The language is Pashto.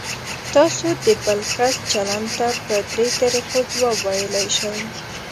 تاسو د بل کس چلند ته په درې طریقو ځواب ویلی شئ.